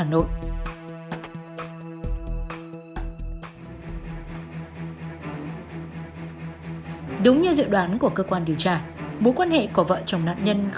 đúng như dự đoán của cơ quan điều tra mối quan hệ của vợ chồng nạn nhân và cơ quan điều tra của cơ quan điều tra của cơ quan điều tra của cơ quan điều tra của cơ quan điều tra